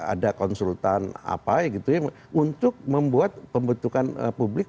ada konsultan apa gitu ya untuk membuat pembentukan publik